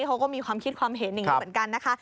เขาก็มีความคิดความเห็นอย่างนี้เหมือนกันนะคะ